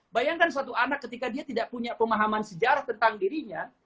bayangkan suatu anak ketika dia tidak punya pemahaman sejarah tentang dirinya